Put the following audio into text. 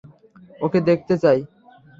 ওকে দেখতে চাই।